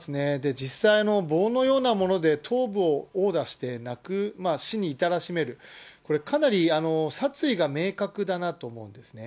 実際、棒のようなもので頭部を殴打して死に至らしめる、これ、かなり殺意が明確だなと思うんですね。